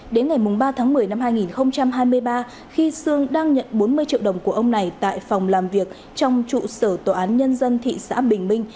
đến ngày ba tháng một mươi năm hai nghìn hai mươi ba khi sương đang nhận bốn mươi triệu đồng của ông này tại phòng làm việc trong trụ sở tòa án nhân dân thị xã bình minh